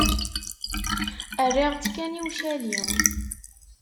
Rriɣ-tt kan i ucali.